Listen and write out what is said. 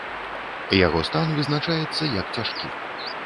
Яго стан вызначаецца як цяжкі.